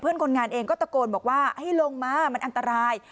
คนงานเองก็ตะโกนบอกว่าให้ลงมามันอันตราย